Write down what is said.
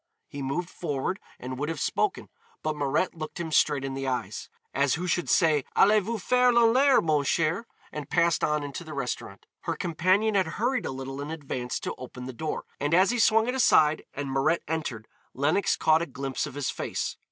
He moved forward and would have spoken, but Mirette looked him straight in the eyes, as who should say Allez vous faire lanlaire, mon cher, and passed on into the restaurant. Her companion had hurried a little in advance to open the door, and as he swung it aside and Mirette entered Lenox caught a glimpse of his face.